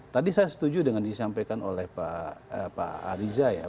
tadi saya setuju dengan disampaikan oleh pak ariza ya